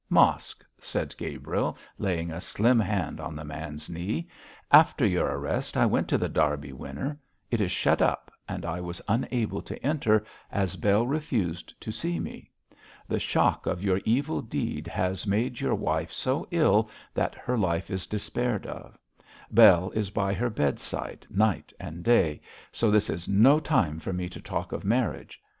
Mosk!' said Gabriel, laying a slim hand on the man's knee, 'after your arrest I went to The Derby Winner. It is shut up, and I was unable to enter, as Bell refused to see me. The shock of your evil deed has made your wife so ill that her life is despaired of. Bell is by her bedside night and day, so this is no time for me to talk of marriage.